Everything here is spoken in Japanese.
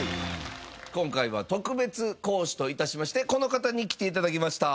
今回は特別講師と致しましてこの方に来て頂きました。